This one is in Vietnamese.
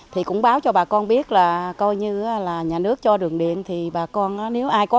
thì cũng báo cho bà con biết là coi như là nhà nước cho đường điện thì bà con